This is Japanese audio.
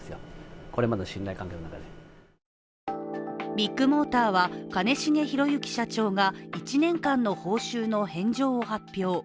ビッグモーターは、兼重宏行社長が１年間の報酬の返上を発表。